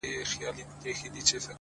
• د نیکه ږغ,